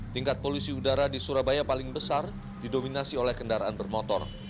tingkat polusi udara di surabaya paling besar didominasi oleh kendaraan bermotor